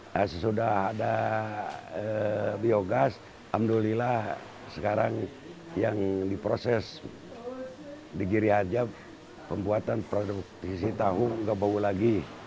nah sesudah ada biogas alhamdulillah sekarang yang diproses di giri aja pembuatan produksi tahu nggak bau lagi